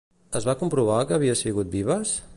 Es va comprovar que havia sigut Vives?